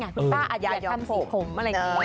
คุณป้าอัดย่ายยอมผมจิกสุดแบบเนี้ย